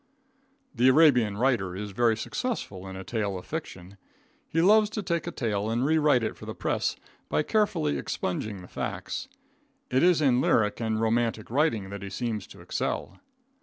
The Arabian writer is very successful in a tale of fiction. He loves to take a tale and re write it for the press by carefully expunging the facts. It is in lyric and romantic writing that he seems to excel.